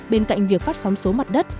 bên cạnh việc phát sóng số mặt đất